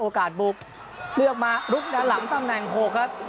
โอกาสบุบเลือกมาลุกด้านหลังตั้งแหน่ง๖ครับ